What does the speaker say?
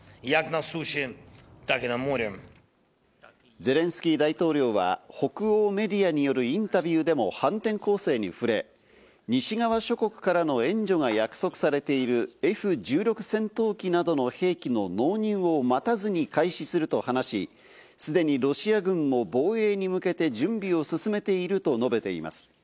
ゼレンスキー大統領は北欧メディアによるインタビューでも反転攻勢に触れ、西側諸国からの援助が約束されている「Ｆ１６戦闘機」などの兵器の納入を待たずに開始すると話し、すでにロシア軍も防衛に向けて準備を進めていると述べています。